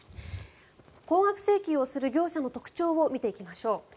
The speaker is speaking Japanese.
高額請求をする業者の特徴を見ていきましょう。